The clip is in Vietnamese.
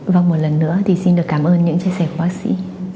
vâng một lần nữa thì xin được cảm ơn những chia sẻ của bác sĩ